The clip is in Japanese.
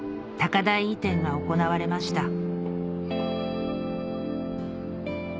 高台移転が行われました